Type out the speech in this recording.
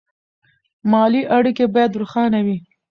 مالي اړیکې باید روښانه وي.